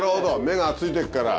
目がついてるから。